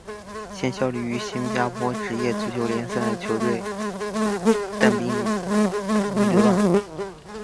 现效力于新加坡职业足球联赛球队淡滨尼流浪。